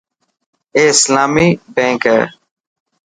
اي اسلامي بينڪ هي .